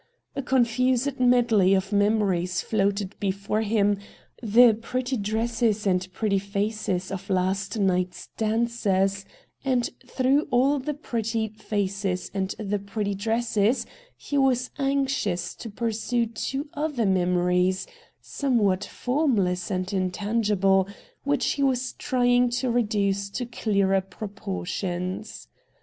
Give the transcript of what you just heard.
A con fused medley of memories floated before him : the pretty dresses and pretty faces of last night's dancers ; and through all the pretty faces and the pretty dresses he was anxious to pursue two other memories, somewhat formless and intangible, which he was trying to reduce to clearer proportions.